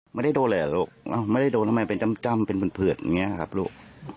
ไม่ได้โด้ไม่ได้โด้ทำไมเป็นจำเป็นไผลดอย่างเงี้ยครับลูก